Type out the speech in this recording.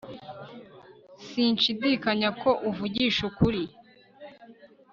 sinshidikanya ko uvugisha ukuri